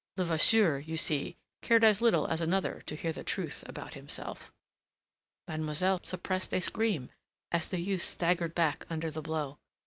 Levasseur, you see, cared as little as another to hear the truth about himself. Mademoiselle suppressed a scream, as the youth staggered back under the blow.